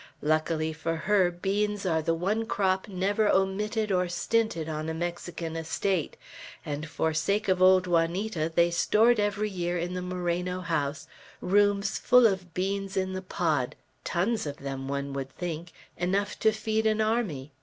Luckily for her, beans are the one crop never omitted or stinted on a Mexican estate; and for sake of old Juanita they stored every year in the Moreno house, rooms full of beans in the pod (tons of them, one would think), enough to feed an army.